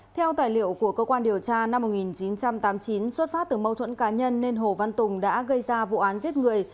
theo tài liệu của cơ quan điều tra năm một nghìn chín trăm tám mươi chín xuất phát từ mâu thuẫn cá nhân nên hồ văn tùng đã gây ra vụ án giết người